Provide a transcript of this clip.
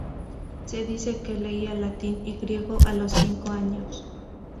Se dice que leía latín y griego a los cinco años.